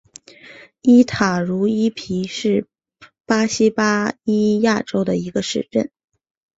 伊塔茹伊皮是巴西巴伊亚州的一个市镇。